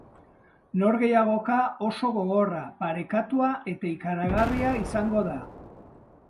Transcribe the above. Norgehiagoka oso gogorra, parekatua eta ikaragarria izango da.